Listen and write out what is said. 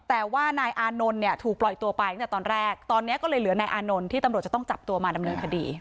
แต่ว่านายอานนท์เนี่ยถูกปล่อยตัวไปตั้งแต่ตอนแรกตอนนี้ก็เลยเหลือนายอานนท์ที่ตำรวจจะต้องจับตัวมาดำเนินคดี